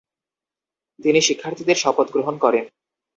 তিনি শিক্ষার্থীর শপথ গ্রহণ করেন।